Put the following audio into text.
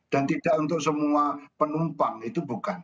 dan tidak untuk semua penumpang itu bukan